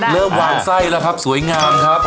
เริ่มวางไส้แล้วครับสวยงามครับ